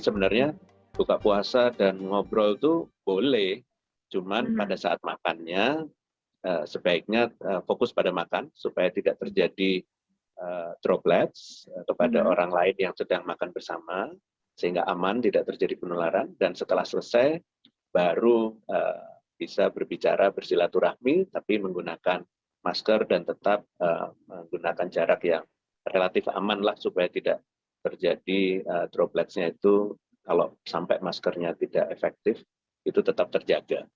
menjaga jarak yang relatif aman lah supaya tidak terjadi droplexnya itu kalau sampai maskernya tidak efektif itu tetap terjaga